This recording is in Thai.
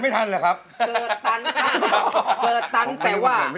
เกิดตันค่ะเกิดตันแต่ว่า